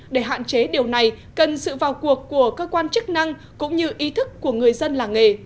để hạn chế điều này cần sự vào cuộc của cơ quan chức năng cũng như ý thức của người dân làng nghề